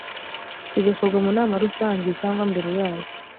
bigakorwa mu nama rusange cyangwa mbere yayo